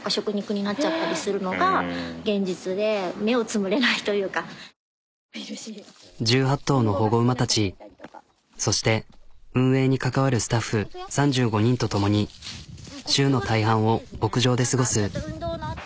まあ１８頭の保護馬たちそして運営に関わるスタッフ３５人と共に週の大半を牧場で過ごす。